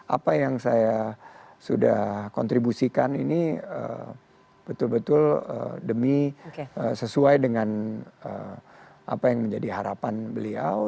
apa yang saya sudah kontribusikan ini betul betul demi sesuai dengan apa yang menjadi harapan beliau